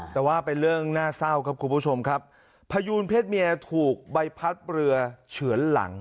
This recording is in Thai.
แต่ว่าเป็นเรื่องน่าเศร้าครับคุณผู้ชมครับพยูนเพศเมียถูกใบพัดเรือเฉือนหลัง